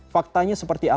faktanya seperti apa